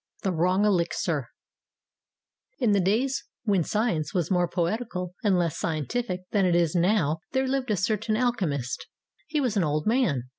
XII THE WRONG ELIXIR IN the days when science was more poetical and less scientific than it is now there lived a certain alchemist. He was an old man.